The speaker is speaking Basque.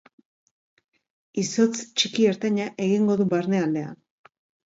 Izotz txiki-ertaina egingo du barnealdean.